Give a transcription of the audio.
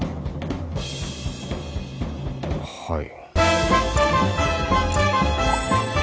はい。